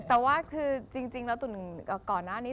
แต่ว่าคือจริงแล้วตุ๋นก่อนหน้านี้